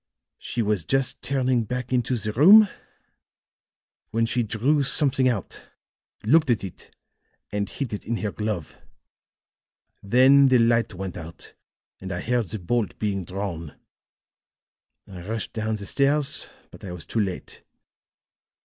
She was just turning back into the room when she drew something out, looked at it and hid it in her glove. Then the light went out and I heard the bolt being drawn. I rushed down the stairs, but I was too late.